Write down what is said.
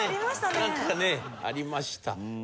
なんかねありました。